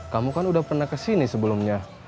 kamu kan udah pernah kesini sebelumnya